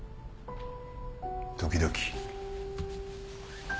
時々。